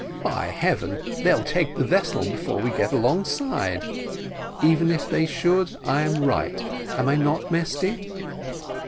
"By heavens, they'll take the vessel before we get alongside." "Even if they should, I am right, am I not, Mesty?"